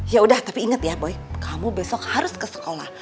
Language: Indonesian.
ya udah tapi inget ya boy kamu besok harus ke sekolah